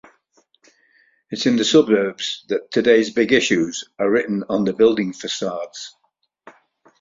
It's in the suburbs that today's big issues are written on the building facades.